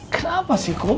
kenapa sih kum